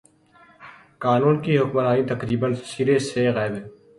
قانون کی حکمرانی تقریبا سر ے سے غائب ہے۔